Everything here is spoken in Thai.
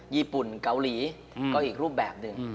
ญี่ปุ่นเกาหลีก็อีกรูปแบบหนึ่ง